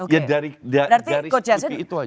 ya dari garis turki itu aja